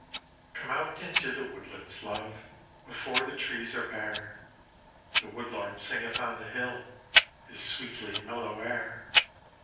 COME out into the woodlands, love, Before the trees are bare ; The woodlark singeth on the hill His sweetly mellow air.